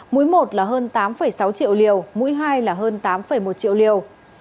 mũi một là hơn tám sáu triệu liều mũi hai là hơn tám một triệu liều